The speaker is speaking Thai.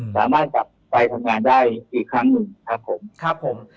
สามารถกลับไปทำงานด้านอีกครั้งหนึ่งครับผม